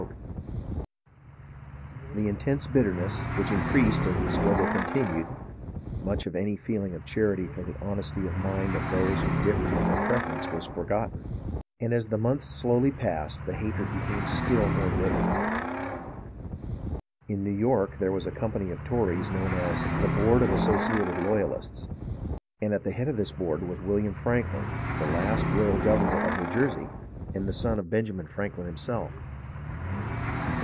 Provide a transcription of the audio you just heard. In the intense bitterness, which increased as the struggle continued, much of any feeling of charity for the honesty of mind of those who differed in their preferences was for gotten ; and as the months slowly passed the hatred became still more bitter. In New York there was a company of Tories known as "The Board of Associated Loyalists," and at the head of this board was William Franklin, the last royal governor of New Jersey and the son of Benjamin SUFFERINGS OF THE COMMON PEOPLE 267 Franklin himself.